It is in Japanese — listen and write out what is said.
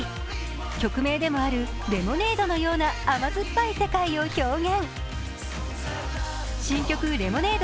曲名でもあるレモネードのような甘酸っぱい世界を表現。